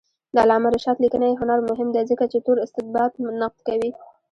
د علامه رشاد لیکنی هنر مهم دی ځکه چې تور استبداد نقد کوي.